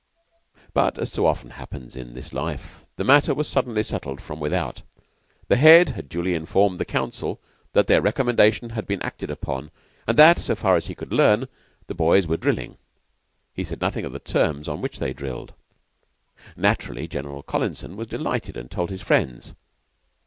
But, as so often happens in this life, the matter was suddenly settled from without. The Head had duly informed the Council that their recommendation had been acted upon, and that, so far as he could learn, the boys were drilling. He said nothing of the terms on which they drilled. Naturally, General Collinson was delighted and told his friends.